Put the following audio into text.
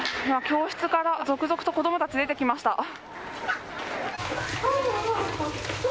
今、教室から続々と子どもたち、出てきました。